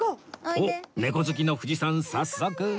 おっ猫好きの藤さん早速